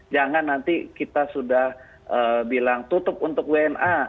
jangan nanti kita sudah bilang tutup untuk wna